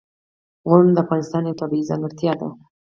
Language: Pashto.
غرونه د افغانستان یوه طبیعي ځانګړتیا ده.